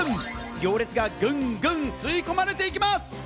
行列がぐんぐん吸い込まれていきます。